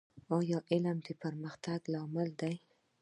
ایا علم د پرمختګ لامل دی؟